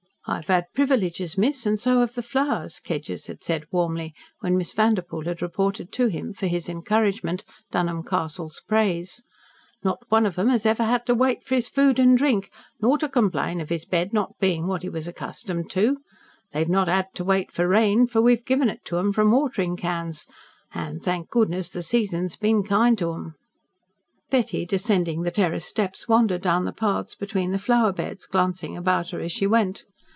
"I've had privileges, miss, and so have the flowers," Kedgers had said warmly, when Miss Vanderpoel had reported to him, for his encouragement, Dunholm Castle's praise. "Not one of 'em has ever had to wait for his food and drink, nor to complain of his bed not being what he was accustomed to. They've not had to wait for rain, for we've given it to 'em from watering cans, and, thank goodness, the season's been kind to 'em." Betty, descending the terrace steps, wandered down the paths between the flower beds, glancing about her as she went.